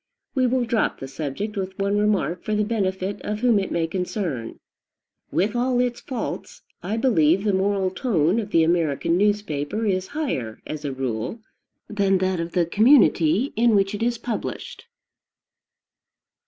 We will drop the subject with one remark for the benefit of whom it may concern. With all its faults, I believe the moral tone of the American newspaper is higher, as a rule, than that of the community in which it is published.